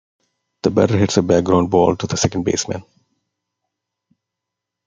The batter hits a ground ball to the second baseman.